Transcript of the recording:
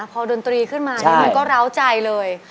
พอดนตรีขึ้นมามันก็ร้าวใจเลย